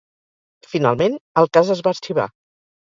Finalment, el cas es va arxivar.